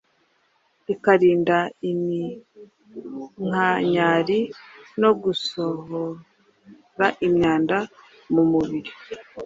ikarinda iminkanyari no gusohora imyanda mu mubiri.